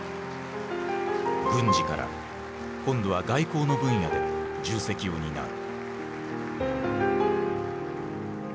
軍事から今度は外交の分野で重責を担う。